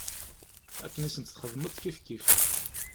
Akken i sent-txedmeḍ kifkif.